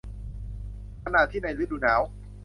ขณะที่ในฤดูหนาว